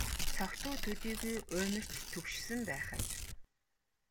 Согтуу төдийгүй уймарч түгшсэн байх аж.